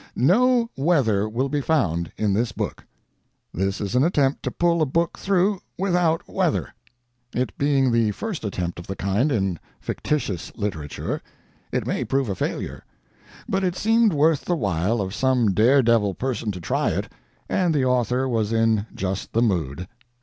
No weather will be found in this book. This is an attempt to pull a book through without weather. It being the first attempt of the kind in fictitious literature, it may prove a failure, but it seemed worth the while of some dare devil person to try it, and the author was in just the mood.